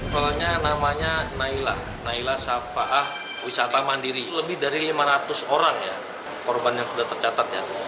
soalnya namanya naila naila safaah wisata mandiri lebih dari lima ratus orang ya korban yang sudah tercatat ya